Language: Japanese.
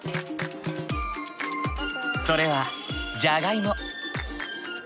それはじゃがいも。